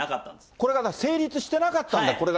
これが成立してなかったんだ、これが。